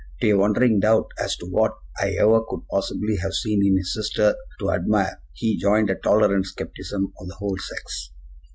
To a wondering doubt as to what I ever could possibly have seen in his sister to admire he joined a tolerant skepticism of the whole sex.